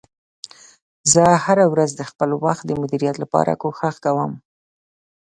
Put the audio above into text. زه هره ورځ د خپل وخت د مدیریت لپاره کوښښ کوم